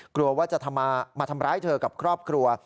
กลัวว่าจะมาทำร้ายเธอกับครอบครัว